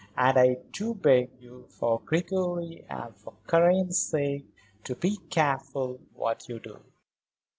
And I do beg you, for Gregory and for Karen's sake, to be careful what you do."